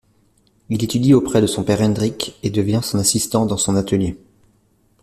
Il étudie auprès de son père Hendrick et devient son assistant dans son atelier.